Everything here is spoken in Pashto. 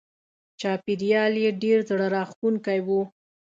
چاپېریال یې ډېر زړه راښکونکی و.